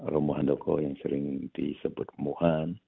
romo handoko yang sering disebutuhan